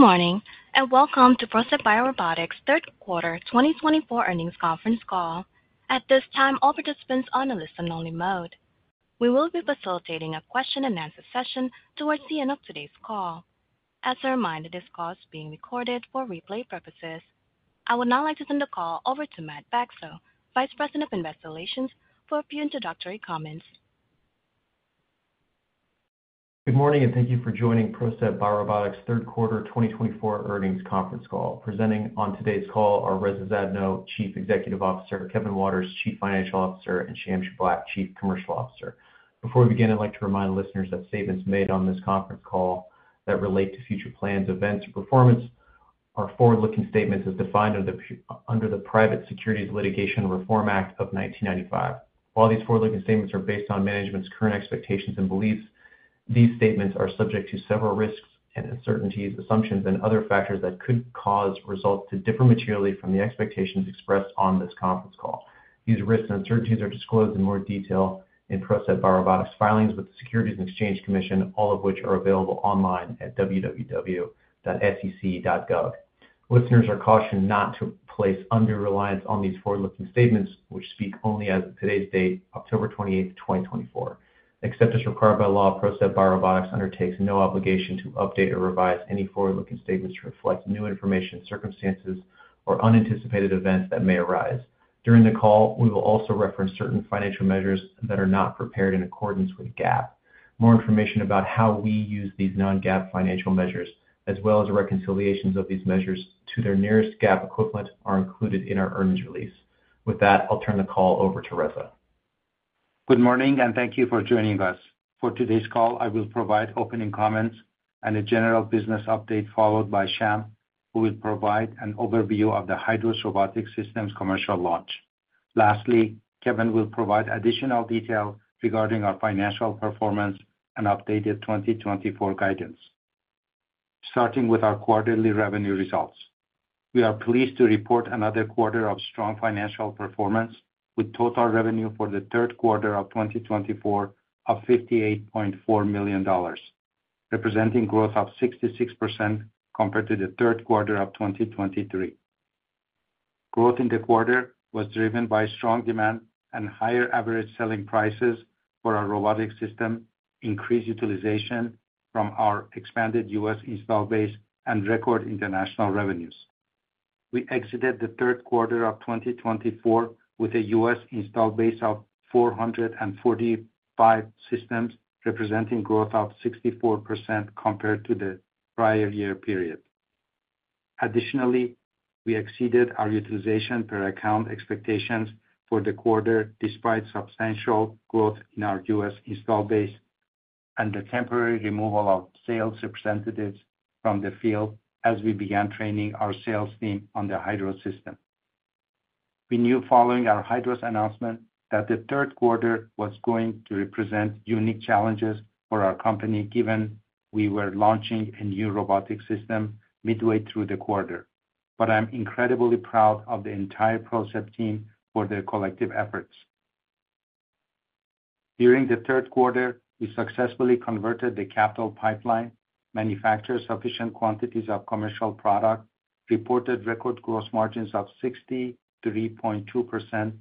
Good morning, and welcome to Procept BioRobotics' third quarter 2024 earnings conference call. At this time, all participants are on a listen-only mode. We will be facilitating a question-and-answer session towards the end of today's call. As a reminder, this call is being recorded for replay purposes. I would now like to turn the call over to Matt Bacso, Vice President of Investor Relations, for a few introductory comments. Good morning, and thank you for joining Procept BioRobotics' third quarter 2024 earnings conference call. Presenting on today's call are Reza Zadno, Chief Executive Officer, Kevin Waters, Chief Financial Officer, and Sham Shiblaq, Chief Commercial Officer. Before we begin, I'd like to remind listeners that statements made on this conference call that relate to future plans, events, or performance are forward-looking statements as defined under the Private Securities Litigation Reform Act of 1995. While these forward-looking statements are based on management's current expectations and beliefs, these statements are subject to several risks and uncertainties, assumptions, and other factors that could cause results to differ materially from the expectations expressed on this conference call. These risks and uncertainties are disclosed in more detail in Procept BioRobotics' filings with the Securities and Exchange Commission, all of which are available online at www.sec.gov. Listeners are cautioned not to place undue reliance on these forward-looking statements, which speak only as of today's date, October 28th, 2024. Except as required by law, Procept BioRobotics undertakes no obligation to update or revise any forward-looking statements to reflect new information, circumstances, or unanticipated events that may arise. During the call, we will also reference certain financial measures that are not prepared in accordance with GAAP. More information about how we use these non-GAAP financial measures, as well as the reconciliations of these measures to their nearest GAAP equivalent, are included in our earnings release. With that, I'll turn the call over to Reza. Good morning, and thank you for joining us. For today's call, I will provide opening comments and a general business update, followed by Sham, who will provide an overview of the Hydros Robotic Systems commercial launch. Lastly, Kevin will provide additional detail regarding our financial performance and updated 2024 guidance. Starting with our quarterly revenue results. We are pleased to report another quarter of strong financial performance, with total revenue for the third quarter of 2024 of $58.4 million, representing growth of 66% compared to the third quarter of 2023. Growth in the quarter was driven by strong demand and higher average selling prices for our robotic system, increased utilization from our expanded U.S. install base, and record international revenues. We exited the third quarter of 2024 with a U.S. install base of four hundred and forty-five systems, representing growth of 64% compared to the prior year period. Additionally, we exceeded our utilization per account expectations for the quarter, despite substantial growth in our U.S. install base and the temporary removal of sales representatives from the field as we began training our sales team on the Hydros system. We knew following our Hydros announcement that the third quarter was going to represent unique challenges for our company, given we were launching a new robotic system midway through the quarter. But I'm incredibly proud of the entire Procept team for their collective efforts. During the third quarter, we successfully converted the capital pipeline, manufactured sufficient quantities of commercial product, reported record gross margins of 63.2%,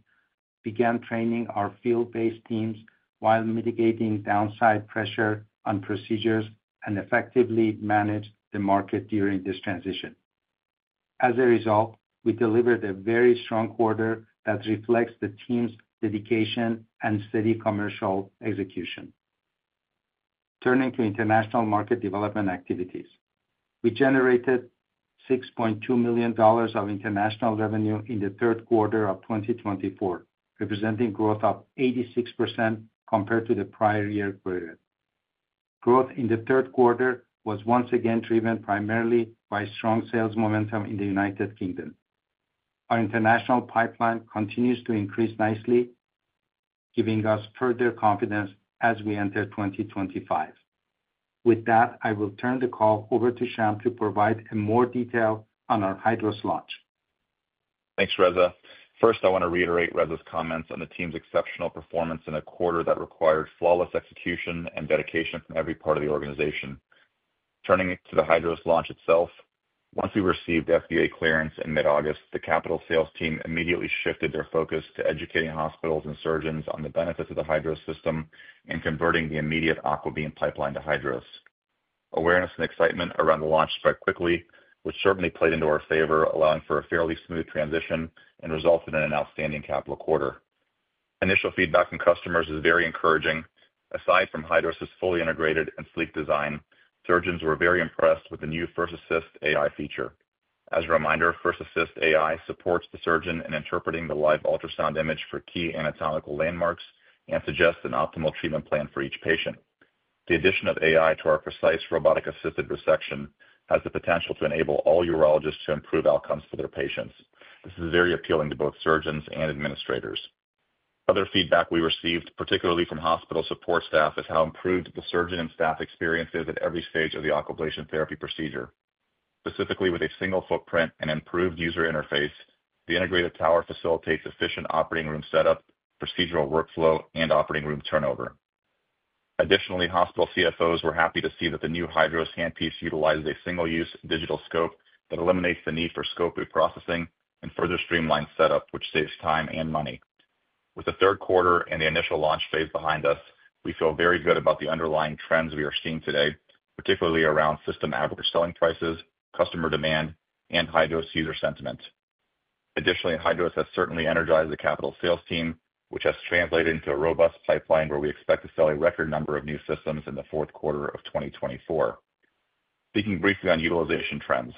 began training our field-based teams while mitigating downside pressure on procedures, and effectively managed the market during this transition. As a result, we delivered a very strong quarter that reflects the team's dedication and steady commercial execution. Turning to international market development activities. We generated $6.2 million of international revenue in the third quarter of 2024, representing growth of 86% compared to the prior year period. Growth in the third quarter was once again driven primarily by strong sales momentum in the United Kingdom. Our international pipeline continues to increase nicely, giving us further confidence as we enter 2025. With that, I will turn the call over to Sham to provide more detail on our Hydros launch. Thanks, Reza. First, I want to reiterate Reza's comments on the team's exceptional performance in a quarter that required flawless execution and dedication from every part of the organization. Turning to the Hydros launch itself, once we received FDA clearance in mid-August, the capital sales team immediately shifted their focus to educating hospitals and surgeons on the benefits of the Hydros system and converting the immediate AquaBeam pipeline to Hydros. Awareness and excitement around the launch spread quickly, which certainly played into our favor, allowing for a fairly smooth transition and resulted in an outstanding capital quarter. Initial feedback from customers is very encouraging. Aside from Hydros' fully integrated and sleek design, surgeons were very impressed with the new First Assist AI feature. As a reminder, First Assist AI supports the surgeon in interpreting the live ultrasound image for key anatomical landmarks and suggests an optimal treatment plan for each patient. The addition of AI to our precise robotic-assisted resection has the potential to enable all urologists to improve outcomes for their patients. This is very appealing to both surgeons and administrators. Other feedback we received, particularly from hospital support staff, is how improved the surgeon and staff experiences at every stage of the Aquablation therapy procedure. Specifically, with a single footprint and improved user interface, the integrated tower facilitates efficient operating room setup, procedural workflow, and operating room turnover. Additionally, hospital CFOs were happy to see that the new Hydros handpiece utilizes a single-use digital scope that eliminates the need for scope reprocessing and further streamlines setup, which saves time and money. With the third quarter and the initial launch phase behind us, we feel very good about the underlying trends we are seeing today, particularly around system average selling prices, customer demand, and Hydros user sentiment. Additionally, Hydros has certainly energized the capital sales team, which has translated into a robust pipeline where we expect to sell a record number of new systems in the fourth quarter of twenty twenty-four. Speaking briefly on utilization trends,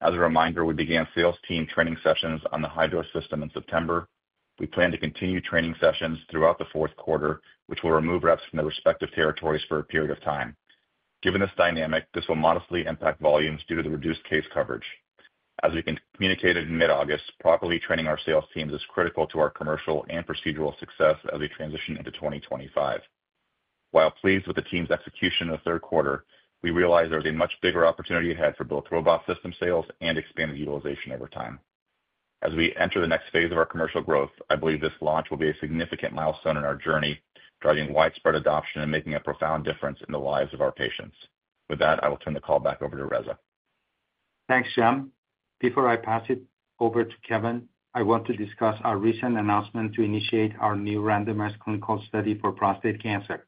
as a reminder, we began sales team training sessions on the Hydros system in September. We plan to continue training sessions throughout the fourth quarter, which will remove reps from their respective territories for a period of time. Given this dynamic, this will modestly impact volumes due to the reduced case coverage. As we communicated in mid-August, properly training our sales teams is critical to our commercial and procedural success as we transition into twenty twenty-five. While pleased with the team's execution in the third quarter, we realize there is a much bigger opportunity ahead for both robot system sales and expanded utilization over time. As we enter the next phase of our commercial growth, I believe this launch will be a significant milestone in our journey, driving widespread adoption and making a profound difference in the lives of our patients. With that, I will turn the call back over to Reza. Thanks, Sham. Before I pass it over to Kevin, I want to discuss our recent announcement to initiate our new randomized clinical study for prostate cancer.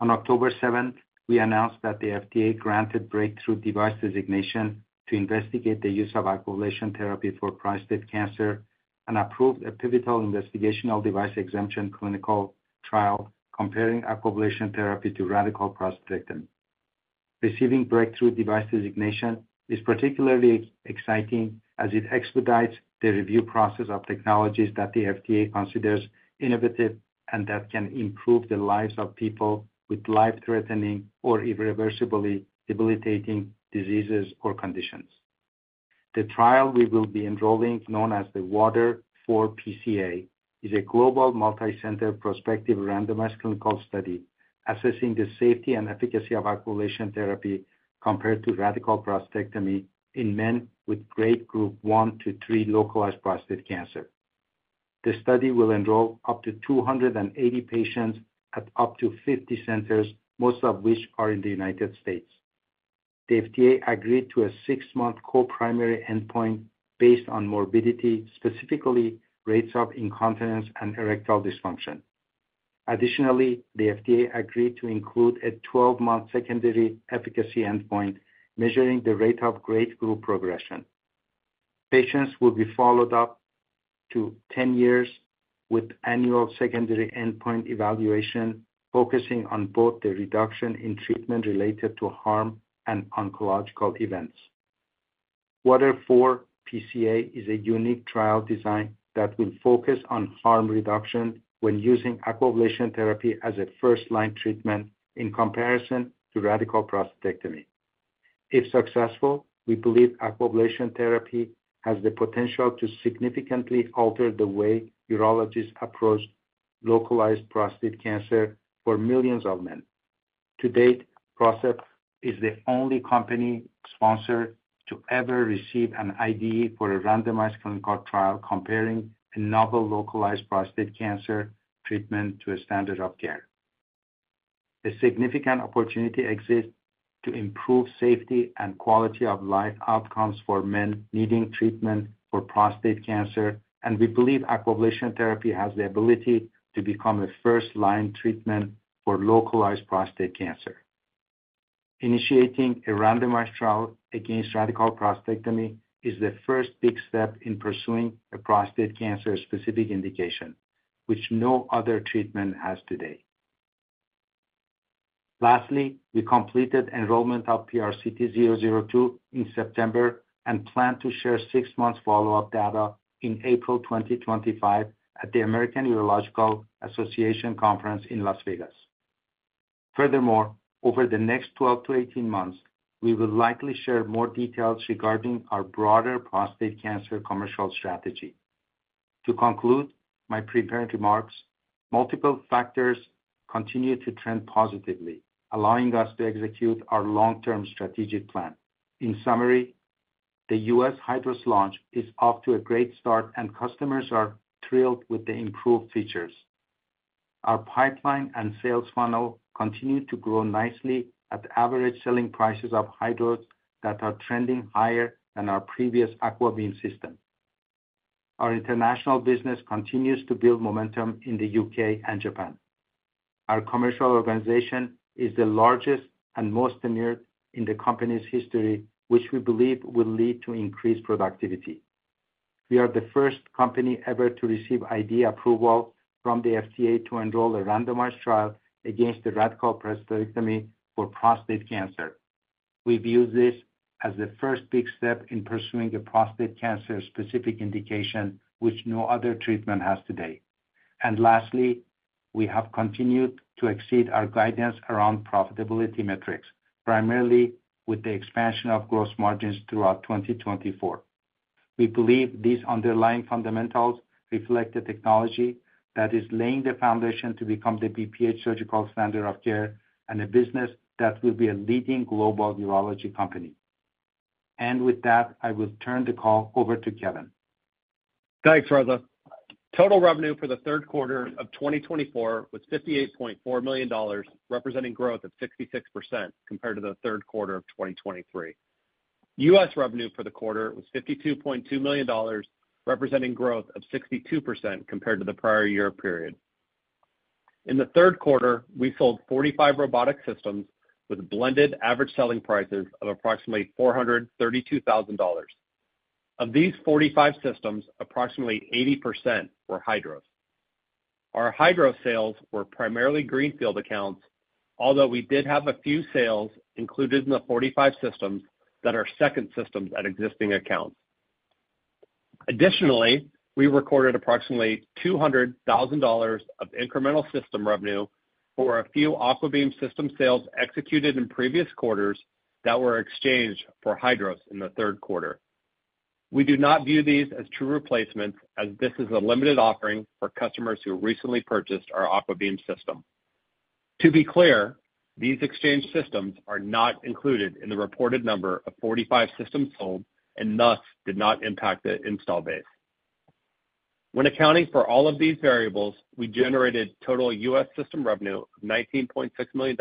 On October seventh, we announced that the FDA granted Breakthrough Device Designation to investigate the use of Aquablation therapy for prostate cancer and approved a pivotal Investigational Device Exemption clinical trial comparing Aquablation therapy to radical prostatectomy. Receiving Breakthrough Device Designation is particularly exciting, as it expedites the review process of technologies that the FDA considers innovative and that can improve the lives of people with life-threatening or irreversibly debilitating diseases or conditions. The trial we will be enrolling, known as the WATER IV PCa, is a global, multicenter, prospective, randomized clinical study assessing the safety and efficacy of Aquablation therapy compared to radical prostatectomy in men with grade group one to three localized prostate cancer. The study will enroll up to 280 patients at up to 50 centers, most of which are in the United States. The FDA agreed to a six-month co-primary endpoint based on morbidity, specifically rates of incontinence and erectile dysfunction. Additionally, the FDA agreed to include a twelve-month secondary efficacy endpoint, measuring the rate of grade group progression. Patients will be followed up to 10 years, with annual secondary endpoint evaluation, focusing on both the reduction in treatment related to harm and oncological events. WATER IV PCa is a unique trial design that will focus on harm reduction when using aquablation therapy as a first-line treatment in comparison to radical prostatectomy. If successful, we believe aquablation therapy has the potential to significantly alter the way urologists approach localized prostate cancer for millions of men. To date, Procept is the only company sponsor to ever receive an IDE for a randomized clinical trial comparing a novel localized prostate cancer treatment to a standard of care. A significant opportunity exists to improve safety and quality of life outcomes for men needing treatment for prostate cancer, and we believe Aquablation therapy has the ability to become a first-line treatment for localized prostate cancer. Initiating a randomized trial against radical prostatectomy is the first big step in pursuing a prostate cancer-specific indication, which no other treatment has today. Lastly, we completed enrollment of PRCT002 in September and plan to share six months follow-up data in April twenty twenty-five at the American Urological Association Conference in Las Vegas. Furthermore, over the next 12 to 18 months, we will likely share more details regarding our broader prostate cancer commercial strategy. To conclude my prepared remarks, multiple factors continue to trend positively, allowing us to execute our long-term strategic plan. In summary, the U.S. Hydros launch is off to a great start, and customers are thrilled with the improved features. Our pipeline and sales funnel continue to grow nicely at the average selling prices of Hydros that are trending higher than our previous AquaBeam system. Our international business continues to build momentum in the U.K. and Japan. Our commercial organization is the largest and most tenured in the company's history, which we believe will lead to increased productivity. We are the first company ever to receive IDE approval from the FDA to enroll a randomized trial against the radical prostatectomy for prostate cancer. We view this as the first big step in pursuing a prostate cancer-specific indication, which no other treatment has today. Lastly, we have continued to exceed our guidance around profitability metrics, primarily with the expansion of gross margins throughout 2024. We believe these underlying fundamentals reflect the technology that is laying the foundation to become the BPH surgical standard of care and a business that will be a leading global urology company. With that, I will turn the call over to Kevin. Thanks, Roza. Total revenue for the third quarter of 2024 was $58.4 million, representing growth of 66% compared to the third quarter of 2023. U.S. revenue for the quarter was $52.2 million, representing growth of 62% compared to the prior year period. In the third quarter, we sold 45 robotic systems with blended average selling prices of approximately $432,000. Of these 45 systems, approximately 80% were Hydros. Our Hydros sales were primarily greenfield accounts, although we did have a few sales included in the 45 systems that are second systems at existing accounts. Additionally, we recorded approximately $200,000 of incremental system revenue for a few AquaBeam system sales executed in previous quarters that were exchanged for Hydros in the third quarter. We do not view these as true replacements, as this is a limited offering for customers who recently purchased our AquaBeam system. To be clear, these exchange systems are not included in the reported number of 45 systems sold and thus did not impact the installed base. When accounting for all of these variables, we generated total U.S. system revenue of $19.6 million,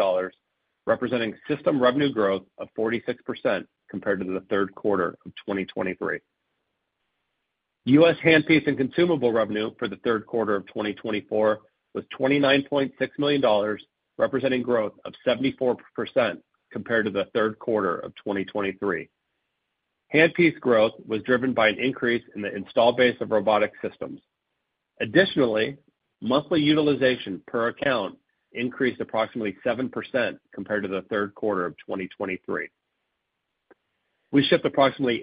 representing system revenue growth of 46% compared to the third quarter of 2023. U.S. handpiece and consumable revenue for the third quarter of 2024 was $29.6 million, representing growth of 74% compared to the third quarter of 2023. Handpiece growth was driven by an increase in the installed base of robotic systems. Additionally, monthly utilization per account increased approximately 7% compared to the third quarter of 2023. We shipped approximately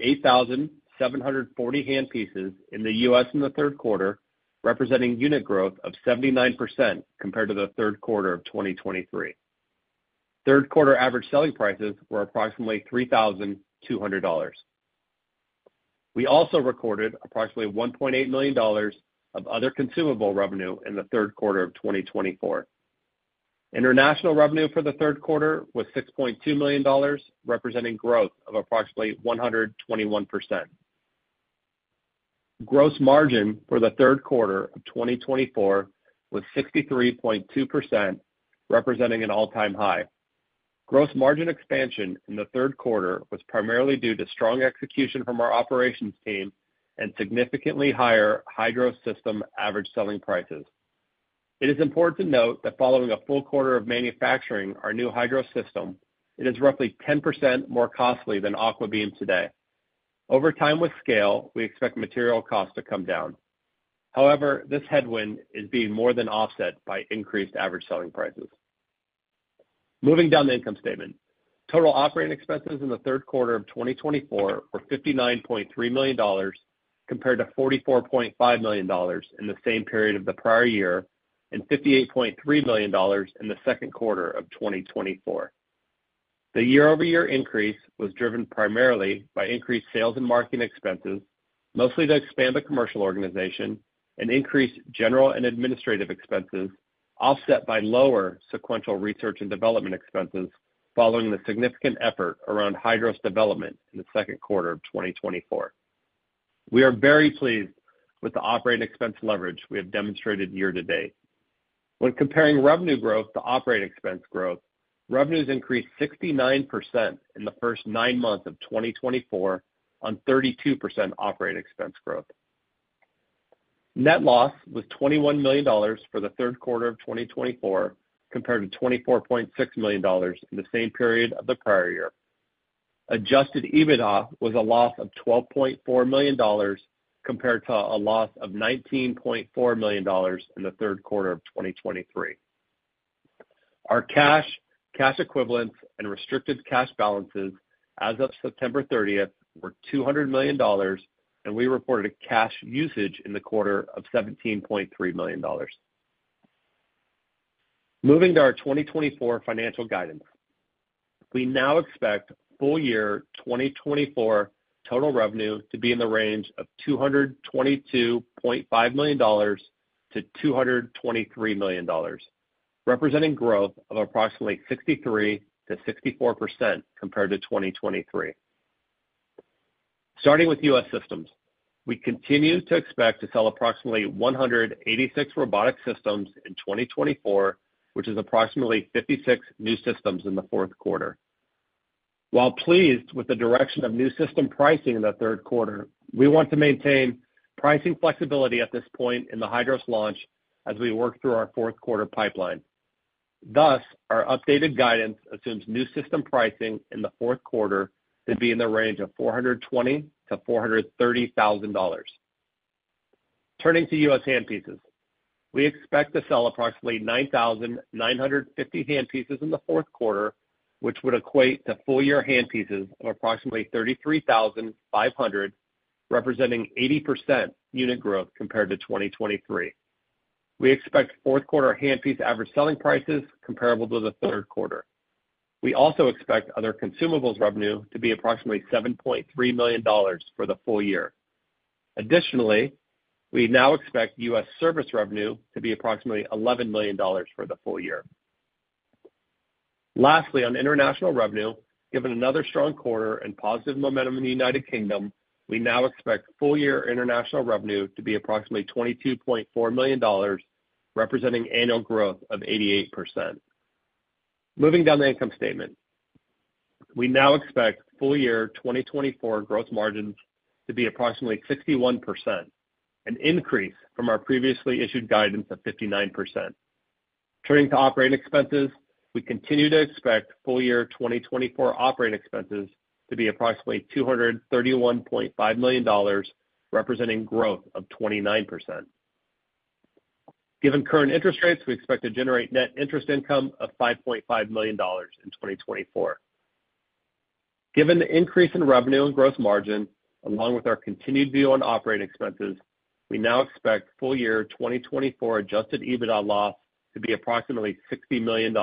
8,740 handpieces in the U.S. in the third quarter, representing unit growth of 79% compared to the third quarter of 2023. Third quarter average selling prices were approximately $3,200. We also recorded approximately $1.8 million of other consumable revenue in the third quarter of 2024. International revenue for the third quarter was $6.2 million, representing growth of approximately 121%. Gross margin for the third quarter of 2024 was 63.2%, representing an all-time high. Gross margin expansion in the third quarter was primarily due to strong execution from our operations team and significantly higher Hydros system average selling prices. It is important to note that following a full quarter of manufacturing our new Hydros system, it is roughly 10% more costly than AquaBeam today. Over time, with scale, we expect material costs to come down. However, this headwind is being more than offset by increased average selling prices. Moving down the income statement. Total operating expenses in the third quarter of 2024 were $59.3 million, compared to $44.5 million in the same period of the prior year, and $58.3 million in the second quarter of 2024. The year-over-year increase was driven primarily by increased sales and marketing expenses, mostly to expand the commercial organization and increase general and administrative expenses, offset by lower sequential research and development expenses following the significant effort around Hydros development in the second quarter of 2024. We are very pleased with the operating expense leverage we have demonstrated year to date. When comparing revenue growth to operating expense growth, revenues increased 69% in the first nine months of 2024 on 32% operating expense growth. Net loss was $21 million for the third quarter of 2024, compared to $24.6 million in the same period of the prior year. Adjusted EBITDA was a loss of $12.4 million, compared to a loss of $19.4 million in the third quarter of 2023. Our cash, cash equivalents, and restricted cash balances as of September thirtieth were $200 million, and we reported a cash usage in the quarter of $17.3 million. Moving to our 2024 financial guidance. We now expect full-year 2024 total revenue to be in the range of $222.5 million to $223 million, representing growth of approximately 63%-64% compared to 2023. Starting with U.S. systems, we continue to expect to sell approximately 186 robotic systems in 2024, which is approximately 56 new systems in the fourth quarter. While pleased with the direction of new system pricing in the third quarter, we want to maintain pricing flexibility at this point in the Hydros launch as we work through our fourth quarter pipeline. Thus, our updated guidance assumes new system pricing in the fourth quarter to be in the range of $420,000-$430,000. Turning to U.S. handpieces. We expect to sell approximately 9,950 handpieces in the fourth quarter, which would equate to full-year handpieces of approximately 33,500, representing 80% unit growth compared to 2023. We expect fourth quarter handpiece average selling prices comparable to the third quarter. We also expect other consumables revenue to be approximately $7.3 million for the full year. Additionally, we now expect US service revenue to be approximately $11 million for the full year. Lastly, on international revenue, given another strong quarter and positive momentum in the United Kingdom, we now expect full-year international revenue to be approximately $22.4 million, representing annual growth of 88%. Moving down the income statement. We now expect full year 2024 gross margins to be approximately 61%, an increase from our previously issued guidance of 59%. Turning to operating expenses, we continue to expect full year 2024 operating expenses to be approximately $231.5 million, representing growth of 29%. Given current interest rates, we expect to generate net interest income of $5.5 million in 2024. Given the increase in revenue and gross margin, along with our continued view on operating expenses, we now expect full year 2024 Adjusted EBITDA loss to be approximately $60 million,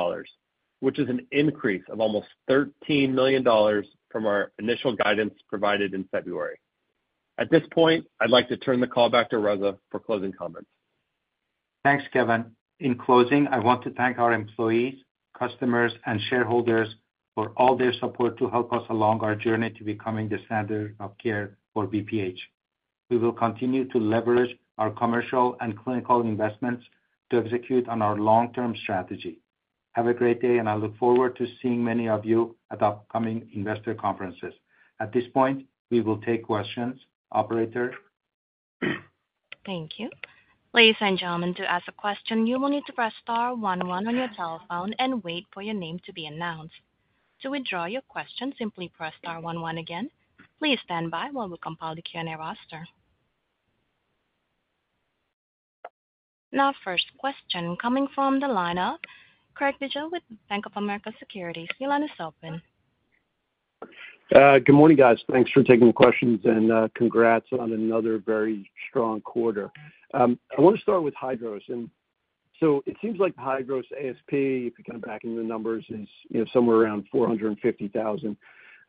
which is an increase of almost $13 million from our initial guidance provided in February. At this point, I'd like to turn the call back to Reza for closing comments. Thanks, Kevin. In closing, I want to thank our employees, customers, and shareholders for all their support to help us along our journey to becoming the standard of care for BPH. We will continue to leverage our commercial and clinical investments to execute on our long-term strategy. Have a great day, and I look forward to seeing many of you at the upcoming investor conferences. At this point, we will take questions. Operator? Thank you. Ladies and gentlemen, to ask a question, you will need to press star one one on your telephone and wait for your name to be announced. To withdraw your question, simply press star one one again. Please stand by while we compile the Q&A roster. Our first question coming from the lineup, Craig Bijou with Bank of America Securities. Your line is open. Good morning, guys. Thanks for taking the questions, and congrats on another very strong quarter. I want to start with Hydros, and so it seems like the Hydros ASP, if you kind of back into the numbers, is, you know, somewhere around $450,000.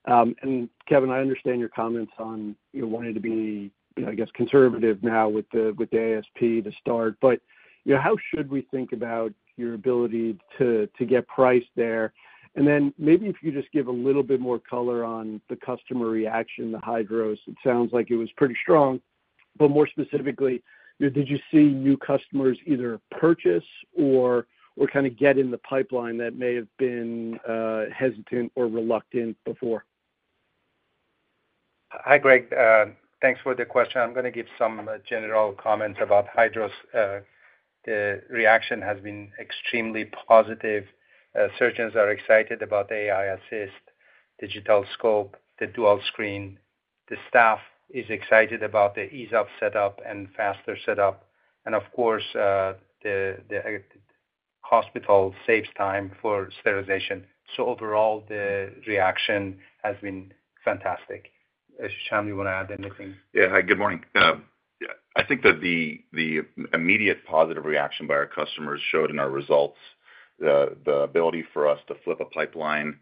And Kevin, I understand your comments on, you know, wanting to be, you know, I guess, conservative now with the ASP to start, but, you know, how should we think about your ability to get priced there? And then maybe if you just give a little bit more color on the customer reaction to the Hydros, it sounds like it was pretty strong. But more specifically, did you see new customers either purchase or kind of get in the pipeline that may have been hesitant or reluctant before? Hi, Greg. Thanks for the question. I'm going to give some general comments about Hydros. The reaction has been extremely positive. Surgeons are excited about First Assist AI, digital scope, the dual screen. The staff is excited about the ease of setup and faster setup, and of course, the hospital saves time for sterilization, so overall, the reaction has been fantastic. Sham, you want to add anything? Yeah. Hi, good morning. Yeah, I think that the immediate positive reaction by our customers showed in our results, the ability for us to flip a pipeline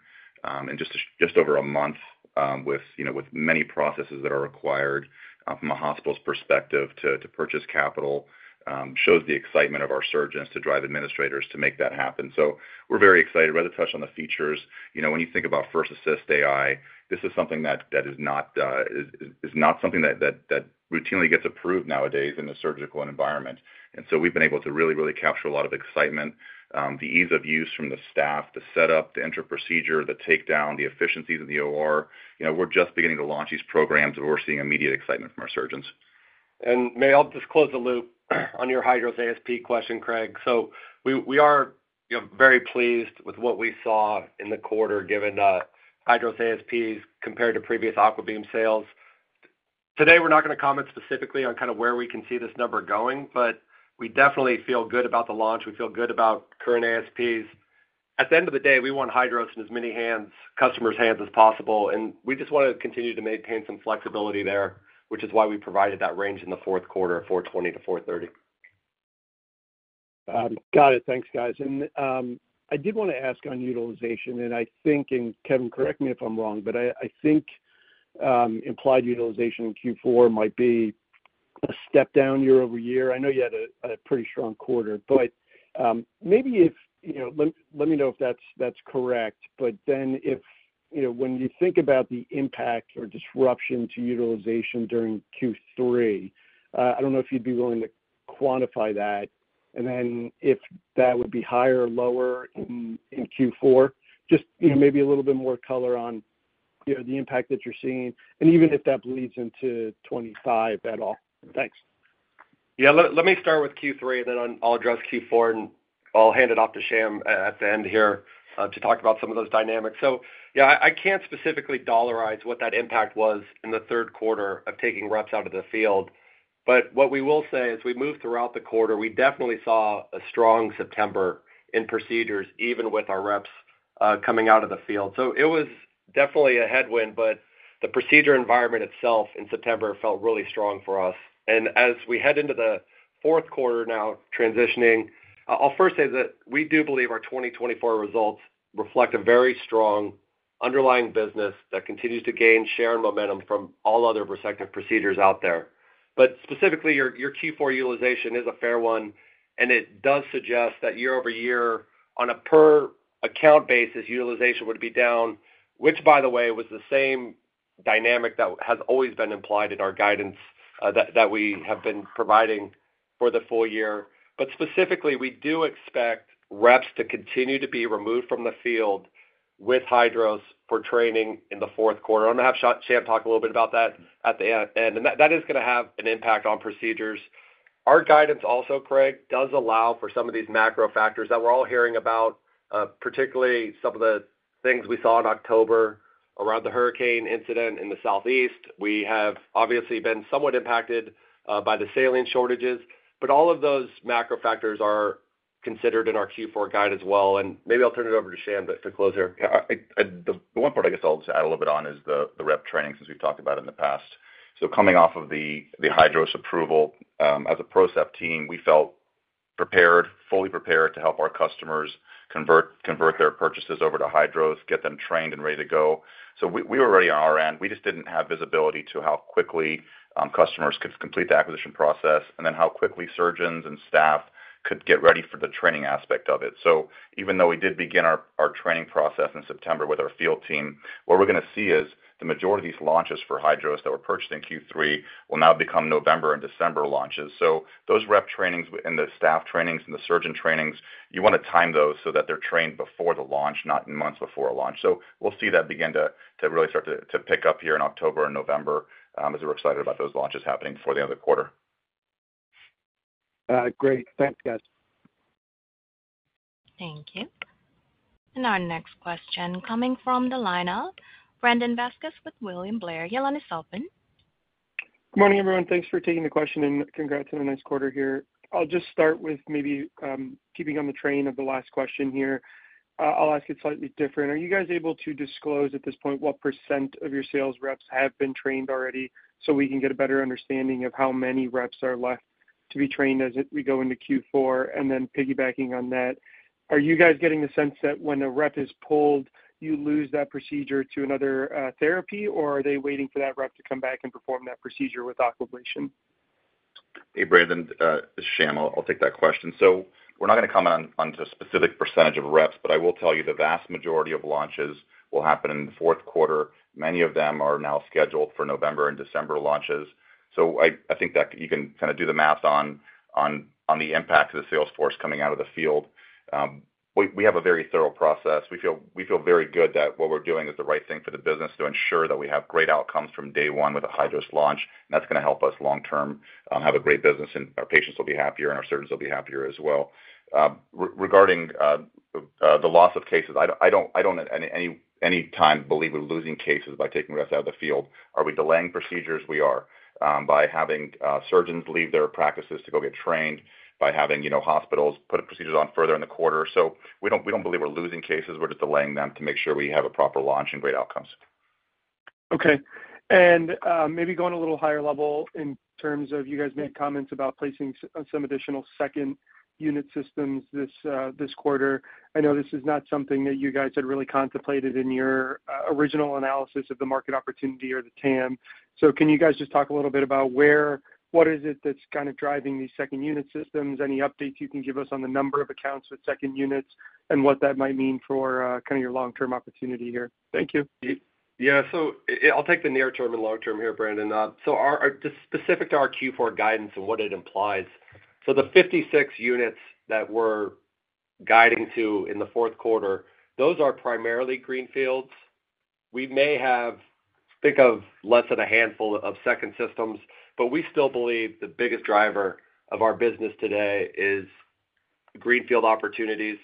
in just over a month, with you know with many processes that are required from a hospital's perspective to purchase capital, shows the excitement of our surgeons to drive administrators to make that happen. So we're very excited. Reza touched on the features. You know, when you think about First Assist AI, this is something that is not something that routinely gets approved nowadays in the surgical environment. And so we've been able to really really capture a lot of excitement, the ease of use from the staff to set up, to enter procedure, the takedown, the efficiencies of the OR. You know, we're just beginning to launch these programs, and we're seeing immediate excitement from our surgeons. And may I just close the loop on your Hydros ASP question, Craig? So we are, you know, very pleased with what we saw in the quarter, given Hydros ASPs compared to previous AquaBeam sales. Today, we're not going to comment specifically on kind of where we can see this number going, but we definitely feel good about the launch. We feel good about current ASPs. At the end of the day, we want Hydros in as many hands, customers' hands as possible, and we just want to continue to maintain some flexibility there, which is why we provided that range in the fourth quarter of $420-$430. Got it. Thanks, guys. And I did want to ask on utilization, and I think, and Kevin, correct me if I'm wrong, but I think implied utilization in Q4 might be a step down year over year. I know you had a pretty strong quarter, but maybe if you know, let me know if that's correct. But then if you know, when you think about the impact or disruption to utilization during Q3, I don't know if you'd be willing to quantify that, and then if that would be higher or lower in Q4. Just you know, maybe a little bit more color on you know, the impact that you're seeing, and even if that bleeds into twenty-five at all. Thanks. Yeah, let me start with Q3, and then I'll address Q4, and I'll hand it off to Sham at the end here to talk about some of those dynamics. So, yeah, I can't specifically dollarize what that impact was in the third quarter of taking reps out of the field. But what we will say, as we moved throughout the quarter, we definitely saw a strong September in procedures, even with our reps coming out of the field. So it was definitely a headwind, but the procedure environment itself in September felt really strong for us. We head into the fourth quarter now, transitioning. I'll first say that we do believe our twenty twenty-four results reflect a very strong underlying business that continues to gain share and momentum from all other resective procedures out there. But specifically, your Q4 utilization is a fair one, and it does suggest that year over year, on a per account basis, utilization would be down, which, by the way, was the same dynamic that has always been implied in our guidance, that we have been providing for the full year. But specifically, we do expect reps to continue to be removed from the field with Hydros for training in the fourth quarter. I'm going to have Sham talk a little bit about that at the end, and that is going to have an impact on procedures. Our guidance also, Craig, does allow for some of these macro factors that we're all hearing about, particularly some of the things we saw in October around the hurricane incident in the Southeast. We have obviously been somewhat impacted by the saline shortages, but all of those macro factors are considered in our Q4 guide as well, and maybe I'll turn it over to Sham to close here. Yeah, I the one part I guess I'll just add a little bit on is the rep training, since we've talked about in the past. So coming off of the Hydros approval, as a Procept team, we felt prepared, fully prepared to help our customers convert, convert their purchases over to Hydros, get them trained and ready to go. So we were ready on our end. We just didn't have visibility to how quickly customers could complete the acquisition process, and then how quickly surgeons and staff could get ready for the training aspect of it. So even though we did begin our training process in September with our field team, what we're going to see is the majority of these launches for Hydros that were purchased in Q3 will now become November and December launches. So those rep trainings and the staff trainings and the surgeon trainings, you want to time those so that they're trained before the launch, not in months before a launch. So we'll see that begin to really start to pick up here in October and November, as we're excited about those launches happening for the end of the quarter. Great. Thanks, guys. Thank you. And our next question coming from the line of Brandon Vazquez with William Blair. Your line is open. Good morning, everyone. Thanks for taking the question, and congrats on the nice quarter here. I'll just start with maybe keeping on the train of the last question here. I'll ask it slightly different. Are you guys able to disclose, at this point, what % of your sales reps have been trained already, so we can get a better understanding of how many reps are left to be trained as we go into Q4? And then piggybacking on that, are you guys getting the sense that when a rep is pulled, you lose that procedure to another therapy, or are they waiting for that rep to come back and perform that procedure with Aquablation? Hey, Brandon, this is Sham. I'll take that question. So we're not going to comment on the specific percentage of reps, but I will tell you the vast majority of launches will happen in the fourth quarter. Many of them are now scheduled for November and December launches. So I think that you can kind of do the math on the impact of the sales force coming out of the field. We have a very thorough process. We feel very good that what we're doing is the right thing for the business to ensure that we have great outcomes from day one with a Hydros launch, and that's going to help us long term, have a great business, and our patients will be happier, and our surgeons will be happier as well. Regarding the loss of cases, I don't at any time believe we're losing cases by taking reps out of the field. Are we delaying procedures? We are by having surgeons leave their practices to go get trained, by having, you know, hospitals put procedures on further in the quarter. So we don't believe we're losing cases. We're just delaying them to make sure we have a proper launch and great outcomes. Okay. And, maybe going a little higher level in terms of you guys made comments about placing some additional second unit systems this, this quarter. I know this is not something that you guys had really contemplated in your, original analysis of the market opportunity or the TAM. So can you guys just talk a little bit about where, what is it that's kind of driving these second unit systems? Any updates you can give us on the number of accounts with second units and what that might mean for, kind of your long-term opportunity here? Thank you. Yeah, so I'll take the near term and long term here, Brandon. So our, just specific to our Q4 guidance and what it implies, so the 56 units that we're guiding to in the fourth quarter, those are primarily greenfields. We may have, think of, less than a handful of second systems, but we still believe the biggest driver of our business today is greenfield opportunities.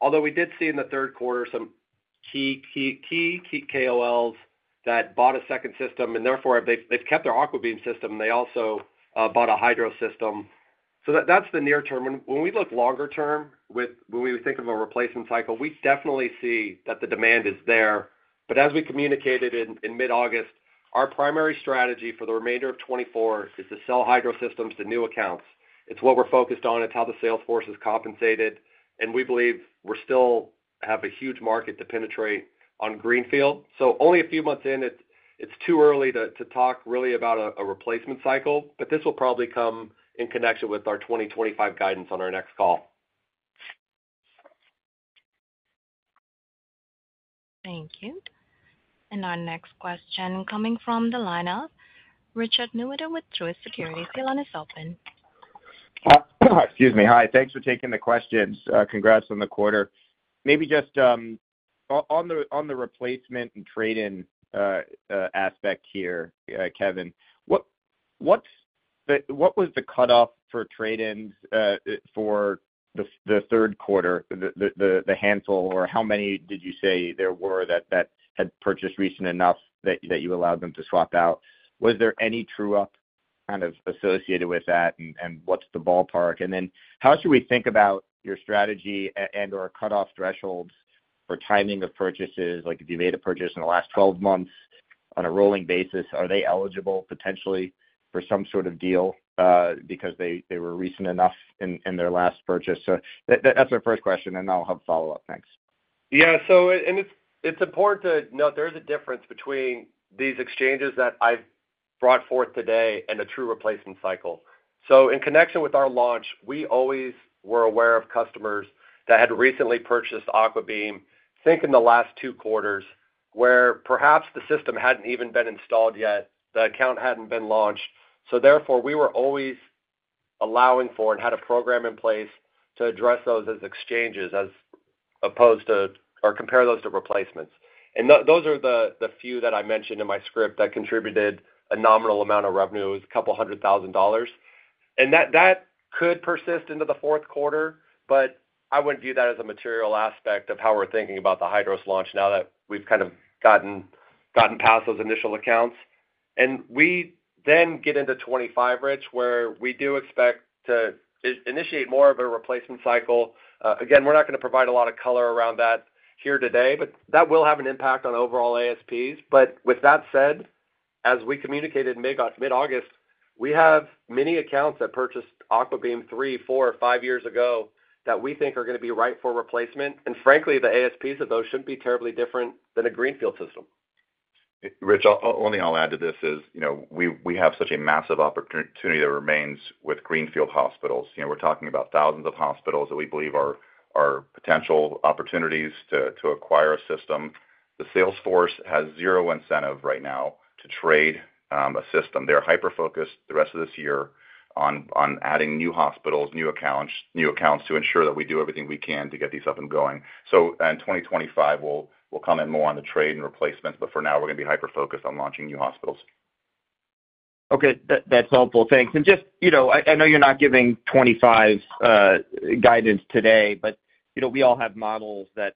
Although we did see in the third quarter some key KOLs that bought a second system, and therefore, they, they've kept their AquaBeam system, they also bought a Hydros system. So that's the near term. When we look longer term, when we think of a replacement cycle, we definitely see that the demand is there. But as we communicated in mid-August, our primary strategy for the remainder of 2024 is to sell Hydro systems to new accounts. It's what we're focused on. It's how the sales force is compensated, and we believe we're still have a huge market to penetrate on greenfield. So only a few months in, it's too early to talk really about a replacement cycle, but this will probably come in connection with our 2025 guidance on our next call. Thank you. And our next question coming from the line of Richard Newitter with Jefferies. Your line is open. Excuse me. Hi, thanks for taking the questions. Congrats on the quarter. Maybe just on the replacement and trade-in aspect here, Kevin, what was the cutoff for trade-ins for the third quarter, the handful, or how many did you say there were that had purchased recent enough that you allowed them to swap out? Was there any true up kind of associated with that, and what's the ballpark? And then how should we think about your strategy and/or cutoff thresholds for timing of purchases, like if you made a purchase in the last twelve months? On a rolling basis, are they eligible potentially for some sort of deal because they were recent enough in their last purchase? So that, that's my first question, and I'll have a follow-up next. Yeah, so it's important to note there is a difference between these exchanges that I've brought forth today and a true replacement cycle. So in connection with our launch, we always were aware of customers that had recently purchased AquaBeam, think in the last two quarters, where perhaps the system hadn't even been installed yet, the account hadn't been launched. So therefore, we were always allowing for and had a program in place to address those as exchanges as opposed to or compare those to replacements. And those are the few that I mentioned in my script that contributed a nominal amount of revenue. It was $200,000. That could persist into the fourth quarter, but I wouldn't view that as a material aspect of how we're thinking about the Hydros launch now that we've kind of gotten past those initial accounts. We then get into 2025, Rich, where we do expect to initiate more of a replacement cycle. Again, we're not going to provide a lot of color around that here today, but that will have an impact on overall ASPs. With that said, as we communicated mid-August, we have many accounts that purchased AquaBeam three, four, or five years ago that we think are going to be right for replacement. Frankly, the ASPs of those shouldn't be terribly different than a greenfield system. Rich, I'll only add to this is, you know, we have such a massive opportunity that remains with greenfield hospitals. You know, we're talking about thousands of hospitals that we believe are potential opportunities to acquire a system. The sales force has zero incentive right now to trade a system. They're hyper-focused the rest of this year on adding new hospitals, new accounts, to ensure that we do everything we can to get these up and going. So and twenty twenty-five, we'll comment more on the trade and replacements, but for now, we're going to be hyper-focused on launching new hospitals. Okay, that's helpful. Thanks. And just, you know, I know you're not giving twenty-five guidance today, but, you know, we all have models that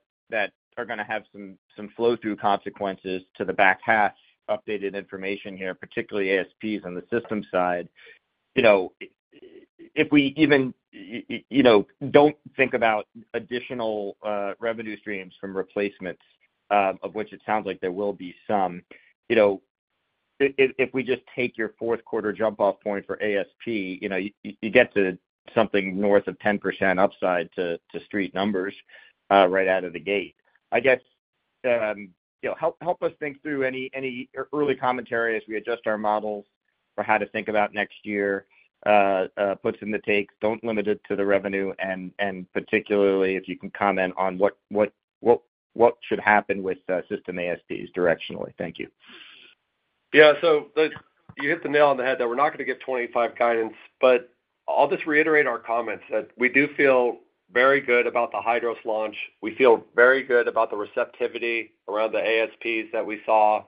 are going to have some flow-through consequences to the back half, updated information here, particularly ASPs on the system side. You know, if we even, you know, don't think about additional revenue streams from replacements, of which it sounds like there will be some. You know, if, if we just take your fourth quarter jump-off point for ASP, you know, you get to something north of 10% upside to street numbers, right out of the gate. I guess, you know, help us think through any early commentary as we adjust our models for how to think about next year, puts in the takes. Don't limit it to the revenue, and particularly, if you can comment on what should happen with system ASPs directionally. Thank you. Yeah, so you hit the nail on the head that we're not going to give 2025 guidance, but I'll just reiterate our comments, that we do feel very good about the Hydros launch. We feel very good about the receptivity around the ASPs that we saw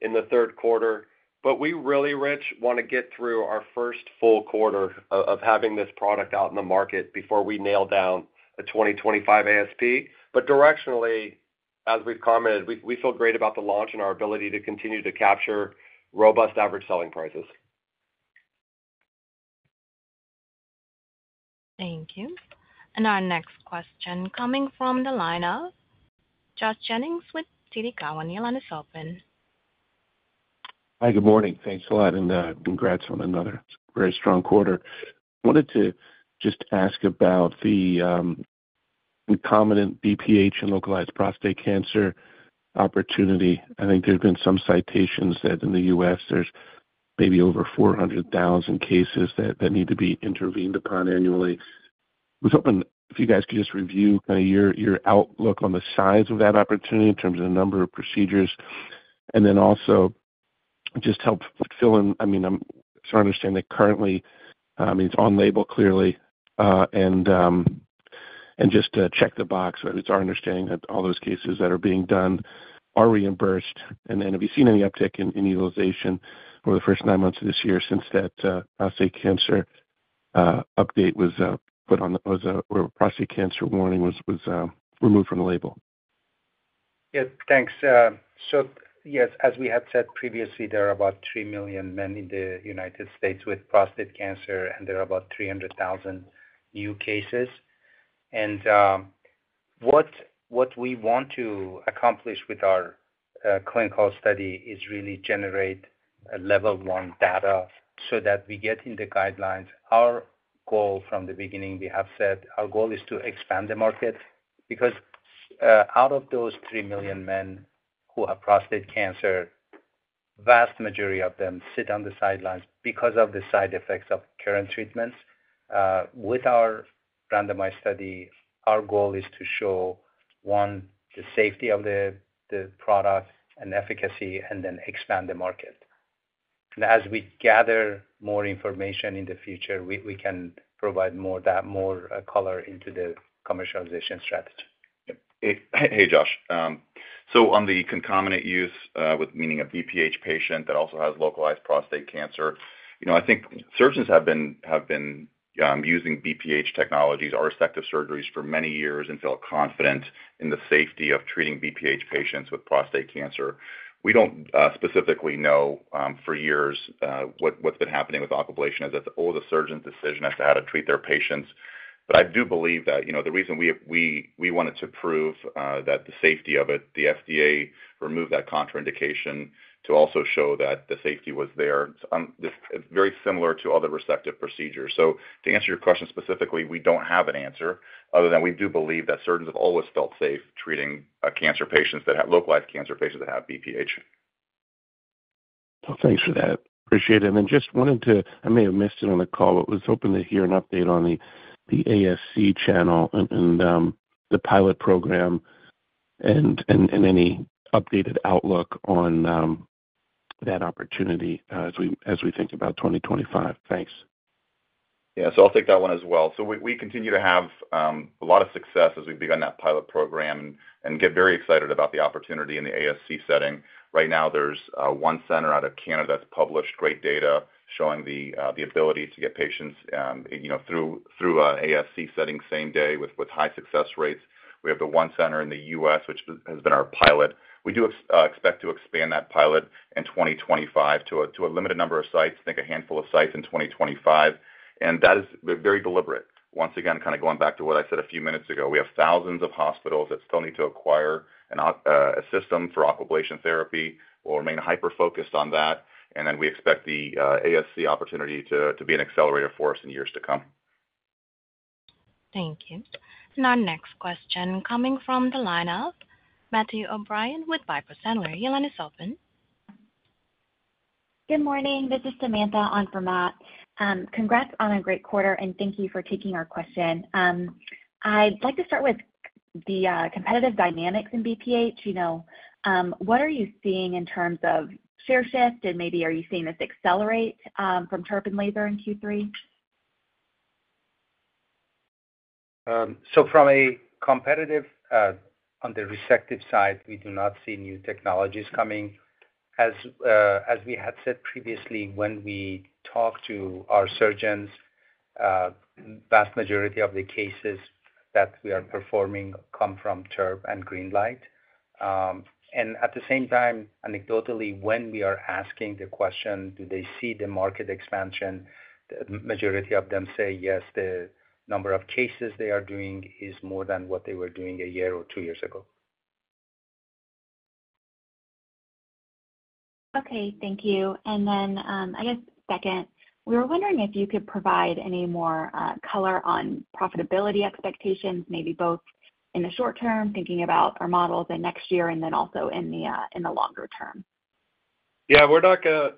in the third quarter. But we really, Rich, want to get through our first full quarter of having this product out in the market before we nail down a 2025 ASP. But directionally, as we've commented, we feel great about the launch and our ability to continue to capture robust average selling prices. Thank you, and our next question coming from the line of Josh Jennings with Citigroup. Your line is open. Hi, good morning. Thanks a lot, and, congrats on another very strong quarter. Wanted to just ask about the concomitant BPH and localized prostate cancer opportunity. I think there have been some citations that in the U.S., there's maybe over four hundred thousand cases that need to be intervened upon annually. I was hoping if you guys could just review kind of your outlook on the size of that opportunity in terms of the number of procedures, and then also just help fill in. I mean, I'm trying to understand that currently, it's on label clearly, and just to check the box, but it's our understanding that all those cases that are being done are reimbursed. And then have you seen any uptick in utilization over the first nine months of this year since that prostate cancer warning was removed from the label? Yeah, thanks. So yes, as we had said previously, there are about three million men in the United States with prostate cancer, and there are about three hundred thousand new cases. What we want to accomplish with our clinical study is really generate a level one data so that we get in the guidelines. Our goal from the beginning, we have said our goal is to expand the market, because out of those three million men who have prostate cancer, vast majority of them sit on the sidelines because of the side effects of current treatments. With our randomized study, our goal is to show, one, the safety of the product and efficacy, and then expand the market. As we gather more information in the future, we can provide more color into the commercialization strategy. Yep. Hey, hey, Josh. So on the concomitant use, with meaning a BPH patient that also has localized prostate cancer, you know, I think surgeons have been using BPH technologies or respective surgeries for many years and feel confident in the safety of treating BPH patients with prostate cancer. We don't specifically know for years what's been happening with Aquablation, as it's all the surgeon's decision as to how to treat their patients. But I do believe that, you know, the reason we wanted to prove that the safety of it, the FDA removed that contraindication to also show that the safety was there. This very similar to other resective procedures. So to answer your question specifically, we don't have an answer, other than we do believe that surgeons have always felt safe treating localized cancer patients that have BPH. Thanks for that. Appreciate it. I may have missed it on the call, but was hoping to hear an update on the ASC channel and the pilot program and any updated outlook on that opportunity, as we think about 2025. Thanks. Yeah, so I'll take that one as well. So we continue to have a lot of success as we've begun that pilot program and get very excited about the opportunity in the ASC setting. Right now, there's one center out of Canada that's published great data showing the ability to get patients, you know, through ASC setting same day with high success rates. We have the one center in the US, which has been our pilot. We do expect to expand that pilot in 2025 to a limited number of sites, I think a handful of sites in 2025, and that is very deliberate. Once again, kind of going back to what I said a few minutes ago, we have thousands of hospitals that still need to acquire an AquaBeam system for Aquablation therapy. We'll remain hyper-focused on that, and then we expect the ASC opportunity to be an accelerator for us in years to come. Thank you. And our next question coming from the line of Matthew O'Brien with Piper Sandler. Your line is open. Good morning, this is Samantha on for Matt. Congrats on a great quarter, and thank you for taking our question. I'd like to start with the competitive dynamics in BPH. You know, what are you seeing in terms of share shift, and maybe are you seeing this accelerate from TURP and laser in Q3? So from a competitive on the resective side, we do not see new technologies coming. As we had said previously, when we talk to our surgeons, vast majority of the cases that we are performing come from TURP and GreenLight. And at the same time, anecdotally, when we are asking the question, do they see the market expansion? The majority of them say, yes, the number of cases they are doing is more than what they were doing a year or two years ago. Okay, thank you. And then, I guess second, we were wondering if you could provide any more color on profitability expectations, maybe both in the short term, thinking about our models and next year, and then also in the longer term. Yeah, we're not gonna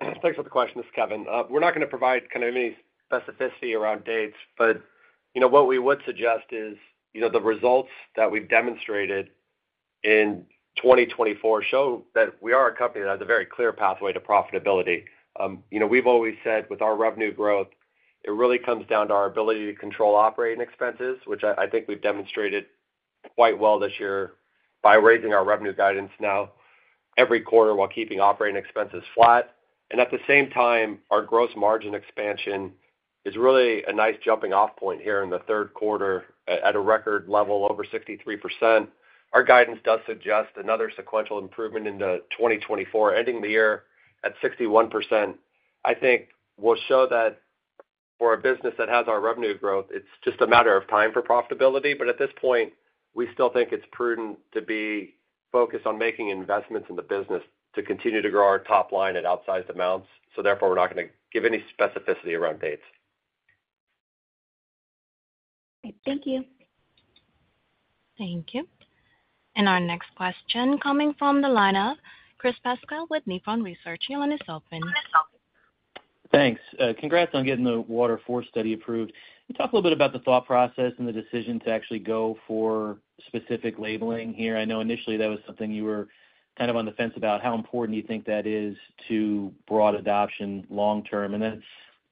provide kind of any specificity around dates, but you know, what we would suggest is, you know, the results that we've demonstrated in 2024 show that we are a company that has a very clear pathway to profitability. You know, we've always said with our revenue growth, it really comes down to our ability to control operating expenses, which I think we've demonstrated quite well this year by raising our revenue guidance now every quarter, while keeping operating expenses flat, and at the same time, our gross margin expansion is really a nice jumping off point here in the third quarter at a record level, over 63%. Our guidance does suggest another sequential improvement into 2024, ending the year at 61%. I think we'll show that for a business that has our revenue growth, it's just a matter of time for profitability. But at this point, we still think it's prudent to be focused on making investments in the business to continue to grow our top line at outsized amounts. So therefore, we're not gonna give any specificity around dates. Thank you. Thank you, and our next question coming from the line of Chris Pasquale with Nephron Research. Your line is open. Your line is open. Thanks. Congrats on getting the WATER IV study approved. Can you talk a little bit about the thought process and the decision to actually go for specific labeling here? I know initially that was something you were kind of on the fence about. How important do you think that is to broad adoption long term? And then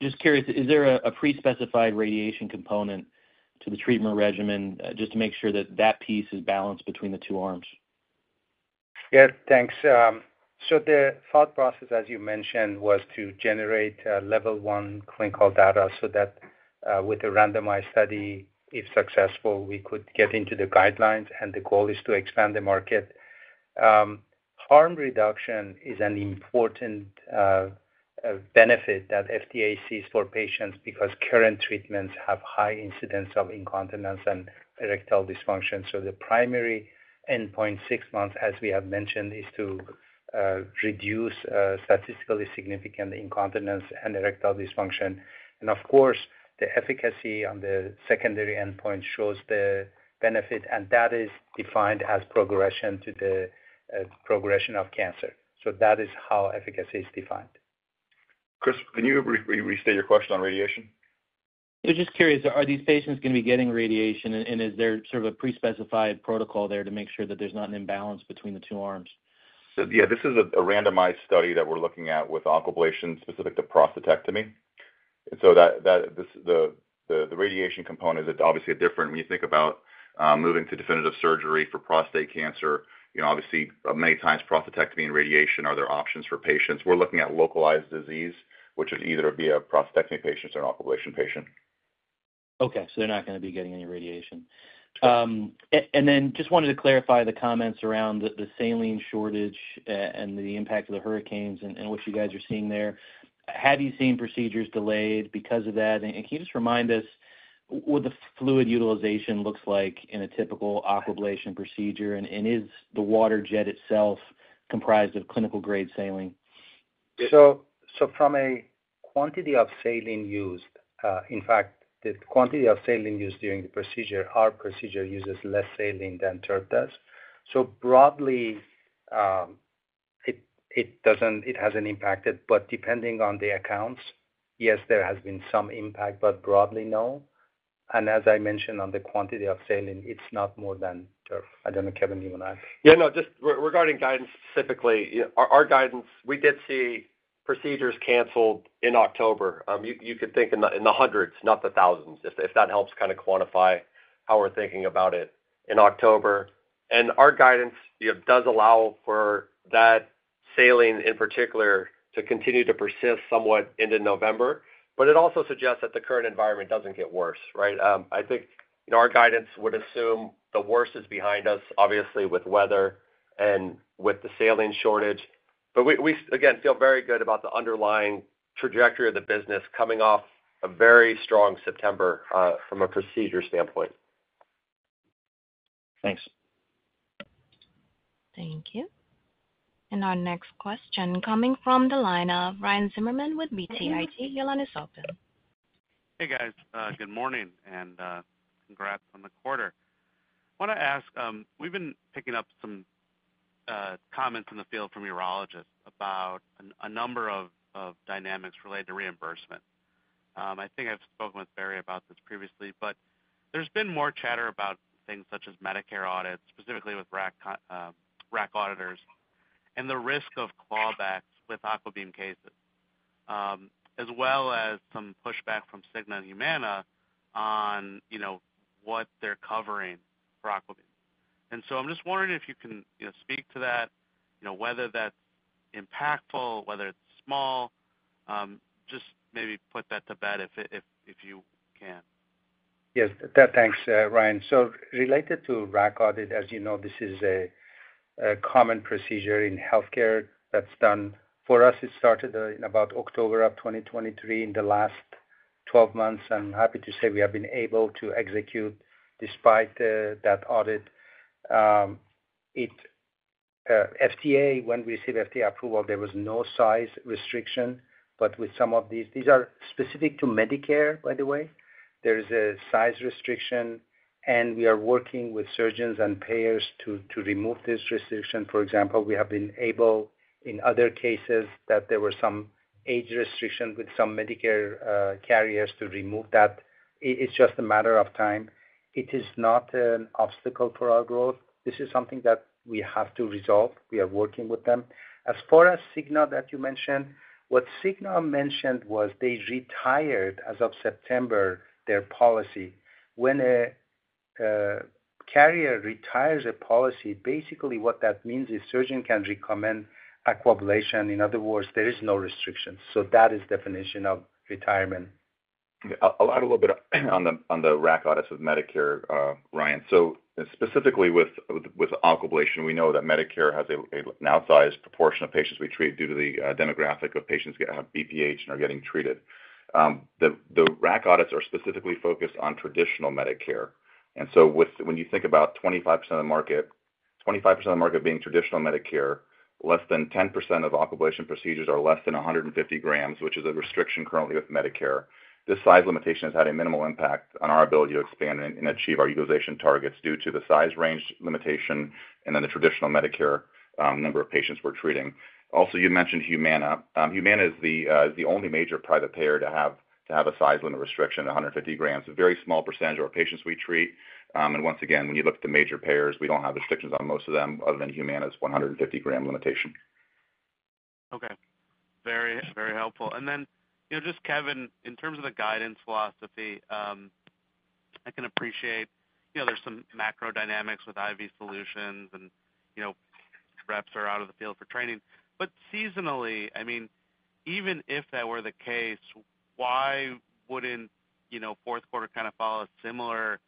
just curious, is there a pre-specified radiation component to the treatment regimen, just to make sure that that piece is balanced between the two arms? Yeah, thanks. So the thought process, as you mentioned, was to generate level one clinical data so that with the randomized study, if successful, we could get into the guidelines, and the goal is to expand the market. Harm reduction is an important benefit that FDA sees for patients, because current treatments have high incidence of incontinence and erectile dysfunction. So the primary endpoint, six months, as we have mentioned, is to reduce statistically significant incontinence and erectile dysfunction. And of course, the efficacy on the secondary endpoint shows the benefit, and that is defined as progression to the progression of cancer. So that is how efficacy is defined. Chris, can you restate your question on radiation? So just curious, are these patients going to be getting radiation, and is there sort of a pre-specified protocol there to make sure that there's not an imbalance between the two arms? Yeah, this is a randomized study that we're looking at with Aquablation specific to prostatectomy. And so that this, the radiation component is obviously different. When you think about moving to definitive surgery for prostate cancer, you know, obviously many times prostatectomy and radiation are other options for patients. We're looking at localized disease, which would either be a prostatectomy patients or an Aquablation patient. Okay, so they're not gonna be getting any radiation. And then just wanted to clarify the comments around the saline shortage, and the impact of the hurricanes and what you guys are seeing there. Have you seen procedures delayed because of that? And can you just remind us what the fluid utilization looks like in a typical Aquablation procedure? And is the waterjet itself comprised of clinical-grade saline? So from a quantity of saline used, in fact, the quantity of saline used during the procedure, our procedure uses less saline than TURP does. So broadly, it hasn't impacted. But depending on the accounts, yes, there has been some impact, but broadly, no. And as I mentioned on the quantity of saline, it's not more than TURP. I don't know, Kevin. You want to add? Yeah, no, just regarding guidance specifically. Our guidance, we did see procedures canceled in October. You could think in the hundreds, not the thousands, if that helps kind of quantify how we're thinking about it in October, and our guidance, you know, does allow for that saline, in particular, to continue to persist somewhat into November, but it also suggests that the current environment doesn't get worse, right? I think, you know, our guidance would assume the worst is behind us, obviously, with weather and with the saline shortage, but we again feel very good about the underlying trajectory of the business coming off a very strong September, from a procedure standpoint. Thanks. Thank you. And our next question coming from the line of Ryan Zimmerman with BTIG. Your line is open. Hey, guys, good morning, and congrats on the quarter. I want to ask, we've been picking up some comments in the field from urologists about a number of dynamics related to reimbursement. I think I've spoken with Barry about this previously, but there's been more chatter about things such as Medicare audits, specifically with RACC auditors, and the risk of clawbacks with AquaBeam cases, as well as some pushback from Cigna and Humana on, you know, what they're covering for AquaBeam. And so I'm just wondering if you can, you know, speak to that, you know, whether that's impactful, whether it's small, just maybe put that to bed if you can. Yes, thanks, Ryan. So related to RACC audit, as you know, this is a common procedure in healthcare that's done. For us, it started in about October of twenty twenty-three, in the last twelve months. I'm happy to say we have been able to execute despite that audit. FDA, when we received FDA approval, there was no size restriction, but with some of these, these are specific to Medicare, by the way. There is a size restriction, and we are working with surgeons and payers to remove this restriction. For example, we have been able, in other cases, that there were some age restrictions with some Medicare carriers to remove that. It's just a matter of time. It is not an obstacle for our growth. This is something that we have to resolve. We are working with them. As far as Cigna, that you mentioned, what Cigna mentioned was they retired, as of September, their policy. When a carrier retires a policy, basically what that means is surgeon can recommend Aquablation. In other words, there is no restriction. So that is definition of retirement. I'll add a little bit on the RACC audits with Medicare, Ryan. So specifically with Aquablation, we know that Medicare has an outsized proportion of patients we treat due to the demographic of patients who have BPH and are getting treated. The RACC audits are specifically focused on traditional Medicare. And so when you think about 25% of the market being traditional Medicare, less than 10% of Aquablation procedures are less than 150 grams, which is a restriction currently with Medicare. This size limitation has had a minimal impact on our ability to expand and achieve our utilization targets due to the size range limitation and then the traditional Medicare number of patients we're treating. Also, you mentioned Humana. Humana is the only major private payer to have a size limit restriction of 150 grams, a very small percentage of our patients we treat. And once again, when you look at the major payers, we don't have restrictions on most of them other than Humana's 150-gram limitation. Okay. Very, very helpful. And then, you know, just Kevin, in terms of the guidance philosophy, I can appreciate, you know, there's some macro dynamics with IV solutions and, you know, reps are out of the field for training. But seasonally, I mean, even if that were the case, why wouldn't, you know, fourth quarter kind of follow a similar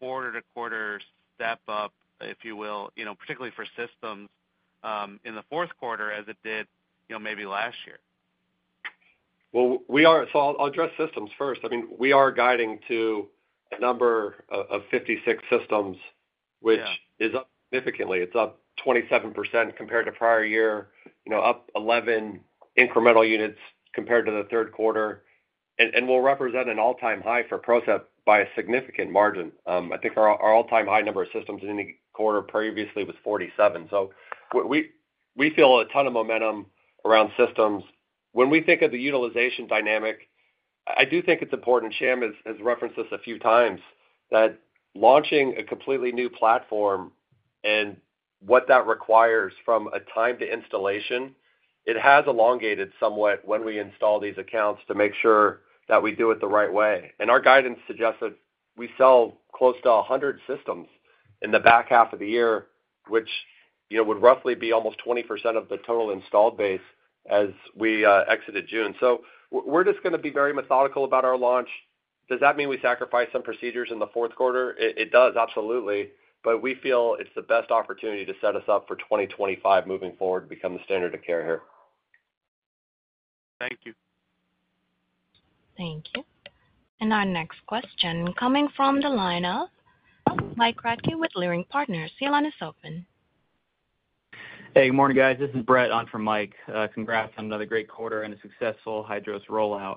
quarter-to-quarter step up, if you will, you know, particularly for systems, in the fourth quarter, as it did, you know, maybe last year? I'll address systems first. I mean, we are guiding to a number of 56 systems- Yeah. which is up significantly. It's up 27% compared to prior year, you know, up 11 incremental units compared to the third quarter, and will represent an all-time high for Procept by a significant margin. I think our all-time high number of systems in any quarter previously was 47. So we feel a ton of momentum around systems. When we think of the utilization dynamic, I do think it's important, Sham has referenced this a few times, that launching a completely new platform and what that requires from a time to installation, it has elongated somewhat when we install these accounts to make sure that we do it the right way. And our guidance suggests that we sell close to a hundred systems in the back half of the year, which, you know, would roughly be almost 20% of the total installed base as we exited June. So we're just going to be very methodical about our launch. Does that mean we sacrifice some procedures in the fourth quarter? It does, absolutely. But we feel it's the best opportunity to set us up for 2025 moving forward to become the standard of care here. Thank you. Thank you. And our next question coming from the line of Mike Kratky with Leerink Partners. Your line is open. Hey, good morning, guys. This is Brett on from Mike. Congrats on another great quarter and a successful Hydros rollout.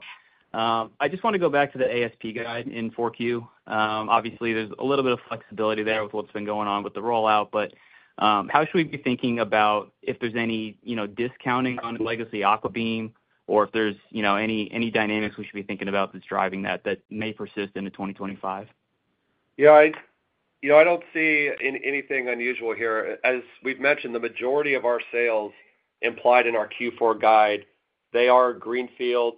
I just wanna go back to the ASP guide in Q4. Obviously, there's a little bit of flexibility there with what's been going on with the rollout, but how should we be thinking about if there's any, you know, discounting on the legacy AquaBeam, or if there's, you know, any dynamics we should be thinking about that's driving that, that may persist into 2025? Yeah, you know, I don't see anything unusual here. As we've mentioned, the majority of our sales implied in our Q4 guide, they are greenfield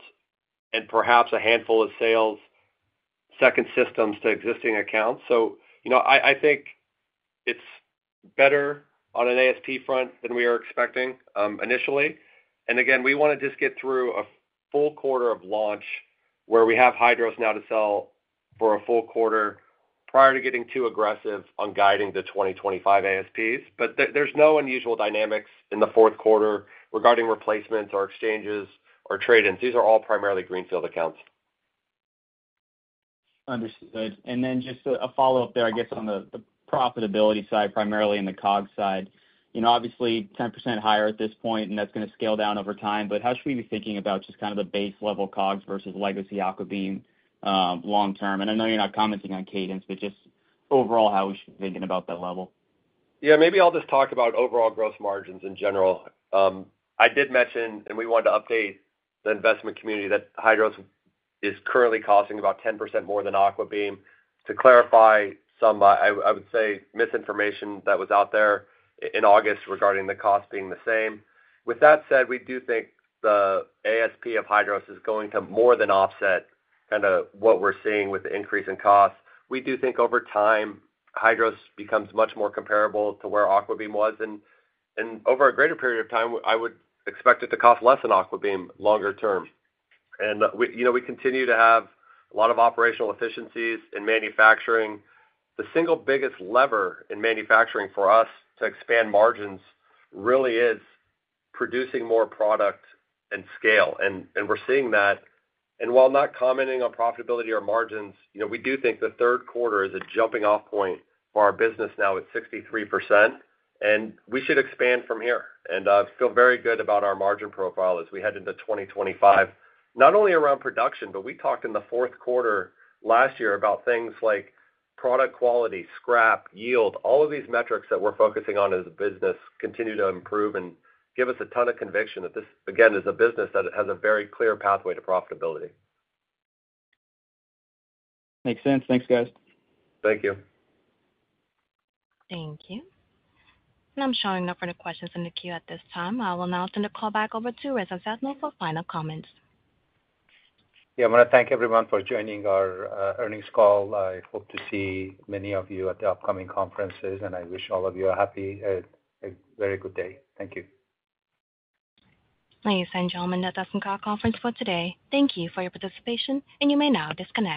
and perhaps a handful of sales, second systems to existing accounts. So, you know, I think it's better on an ASP front than we are expecting, initially. And again, we wanna just get through a full quarter of launch where we have Hydros now to sell for a full quarter prior to getting too aggressive on guiding the twenty twenty-five ASPs. But there, there's no unusual dynamics in the fourth quarter regarding replacements or exchanges or trade-ins. These are all primarily greenfield accounts. Understood. And then just a follow-up there, I guess, on the profitability side, primarily in the COGS side. You know, obviously, 10% higher at this point, and that's gonna scale down over time, but how should we be thinking about just kind of the base level COGS versus legacy AquaBeam, long term? And I know you're not commenting on cadence, but just overall, how we should be thinking about that level. Yeah, maybe I'll just talk about overall growth margins in general. I did mention, and we wanted to update the investment community, that Hydros is currently costing about 10% more than AquaBeam. To clarify some, I would say, misinformation that was out there in August regarding the cost being the same. With that said, we do think the ASP of Hydros is going to more than offset kind of what we're seeing with the increase in costs. We do think over time, Hydros becomes much more comparable to where AquaBeam was. And over a greater period of time, I would expect it to cost less than AquaBeam longer term. And we, you know, continue to have a lot of operational efficiencies in manufacturing. The single biggest lever in manufacturing for us to expand margins really is producing more product and scale, and we're seeing that. And while not commenting on profitability or margins, you know, we do think the third quarter is a jumping off point for our business now at 63%, and we should expand from here. And, feel very good about our margin profile as we head into 2025, not only around production, but we talked in the fourth quarter last year about things like product quality, scrap, yield. All of these metrics that we're focusing on as a business continue to improve and give us a ton of conviction that this, again, is a business that has a very clear pathway to profitability. Makes sense. Thanks, guys. Thank you. Thank you. And I'm showing no further questions in the queue at this time. I will now turn the call back over to Reza Zadno for final comments. Yeah, I wanna thank everyone for joining our earnings call. I hope to see many of you at the upcoming conferences, and I wish all of you a happy, a very good day. Thank you. Ladies and gentlemen, that does end our conference call for today. Thank you for your participation, and you may now disconnect.